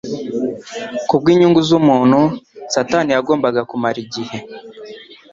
Kubw'inyungu z'umuntu, Satani yagombaga kumara igihe